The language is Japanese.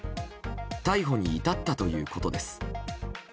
逮捕に至ったということです。